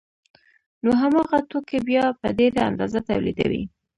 نو هماغه توکي بیا په ډېره اندازه تولیدوي